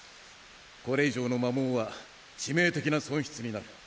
これ以上の摩耗は致命的な損失になる！